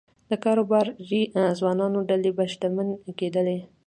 د کاروباري ځوانانو ډلې به شتمن کېدلې